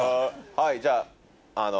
はいじゃ。